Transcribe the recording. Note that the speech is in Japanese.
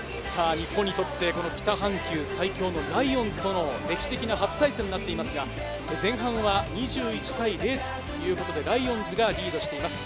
日本にとって北半球最強のライオンズとの歴史的な初対戦となっていますが、前半は２１対０ということで、ライオンズがリードしています。